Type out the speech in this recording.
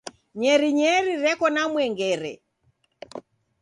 Nyerinyeri reko na mwengere.